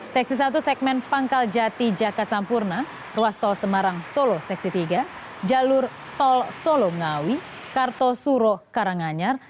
seksi satu segmen pangkal jati jaka sampurna ruas tol semarang solo seksi tiga jalur tol solo ngawi kartosuro karanganyar